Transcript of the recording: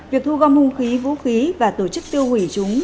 việc thu gom vũ khí và tổ chức tiêu hủy chúng